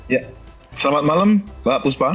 ya selamat malam mbak puspa